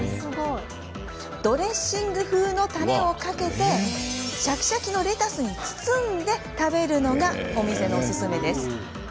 ドレッシング風のたれをかけてシャキシャキのレタスに包んで食べるのが店のおすすめ。